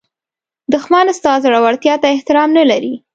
دښمن ستا زړورتیا ته احترام نه لري